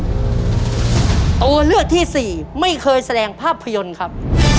ตัวเลือกที่สี่ไม่เคยแสดงภาพยนตร์ครับ